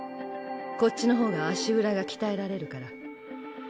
こっちの方が足裏が鍛えられるから。